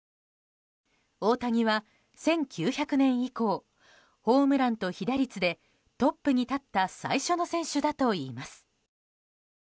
大谷は、１９００年以降ホームランと被打率でトップに立った最初の選手だといいます。